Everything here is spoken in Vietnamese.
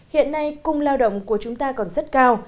hiện nay cung lao động của chúng ta còn rất cao